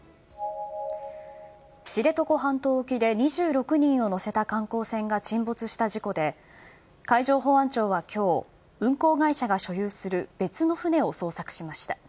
知床半島沖で２６人を乗せた観光船が沈没した事故で、海上保安庁はきょう、運航会社が所有する別の船を捜索しました。